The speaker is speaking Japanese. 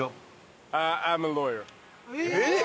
えっ！